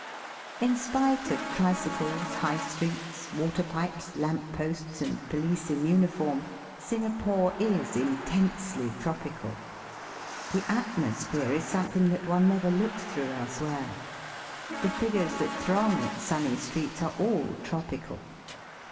In spite of tricycles. High Streets, water pipes, lamp posts, and police in uniform, Singa pore is intensely tropical. The atmosphere is something that one never looks through else where. The figures that thi'ong its sunny streets are all tropical.